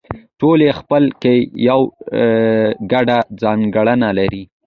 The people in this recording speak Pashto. ټول یې خپله کې یوه ګډه ځانګړنه لري